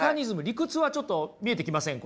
理屈はちょっと見えてきません？